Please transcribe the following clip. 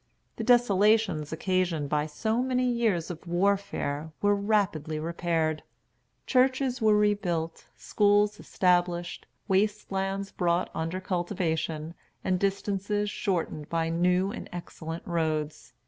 The desolations occasioned by so many years of warfare were rapidly repaired. Churches were rebuilt, schools established, waste lands brought under cultivation, and distances shortened by new and excellent roads.